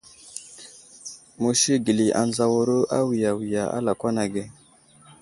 Musi gəli anzawaru awiya wiya a lakwan age.